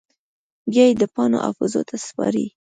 بیا یې د پاڼو حافظو ته سپاري